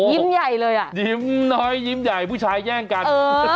ใหญ่เลยอ่ะยิ้มน้อยยิ้มใหญ่ผู้ชายแย่งกัน